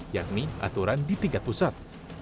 yakni aturan di tingkat pusat